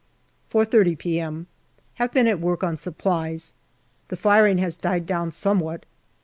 4.30 p.m. Have been at work on supplies ; the firing has died down somewhat.